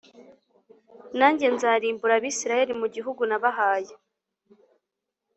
nanjye nzarimbura Abisirayeli mu gihugu nabahaye